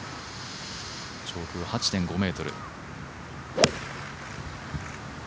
上空８．５ｍ。